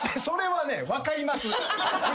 それはね分かります。